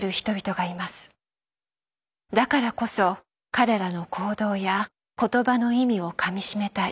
だからこそ彼らの行動や言葉の意味をかみしめたい。